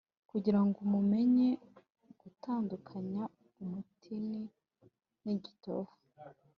Kugira ngo umenye gutandukanya umutini n igitovu